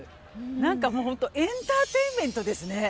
何かもうホントエンターテインメントですね。